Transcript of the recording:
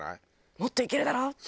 「もっといけるだろ？